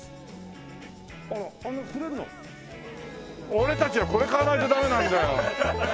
俺たちはこれ買わないとダメなんだよ。